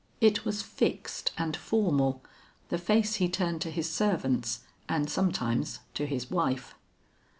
It was fixed and formal, the face he turned to his servants and sometimes to his wife.